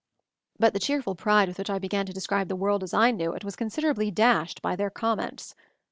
But the cheerful pride with which I began to describe the world as I knew it was con siderably dashed by their comments.